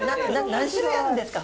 何種類あるんですか？